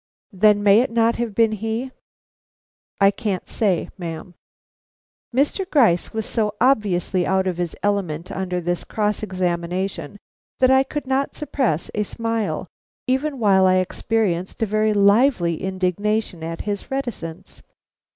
"Then may it not have been he?" "I can't say, ma'am." Mr. Gryce was so obviously out of his element under this cross examination that I could not suppress a smile even while I experienced a very lively indignation at his reticence.